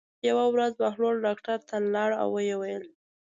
یوه ورځ بهلول ډاکټر ته لاړ او ویې ویل.